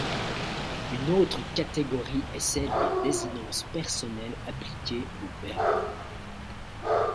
Une autre catégorie est celle des désinences personnelles appliquées au verbe.